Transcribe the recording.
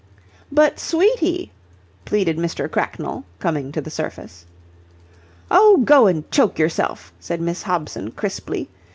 "But, sweetie!" pleaded Mr. Cracknell, coming to the surface. "Oh, go and choke yourself!" said Miss Hobson, crisply.